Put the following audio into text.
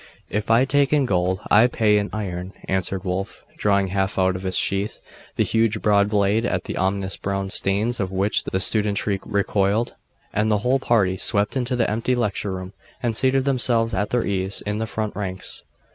'If I take in gold I pay in iron,' answered Wulf, drawing half out of its sheath the huge broad blade, at the ominous brown stains of which the studentry recoiled; and the whole party swept into the empty lecture room, and seated themselves at their ease in the front ranks.